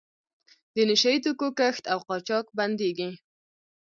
د نشه یي توکو کښت او قاچاق بندیږي.